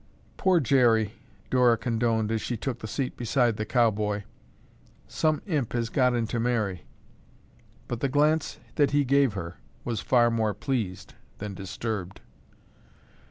"Poor Jerry!" Dora condoned as she took the seat beside the cowboy. "Some imp has got into Mary." But the glance that he gave her was far more pleased than disturbed.